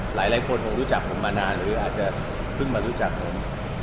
หลายคนคงรู้จักผมมานานหรืออาจจะเพิ่งมารู้จักผม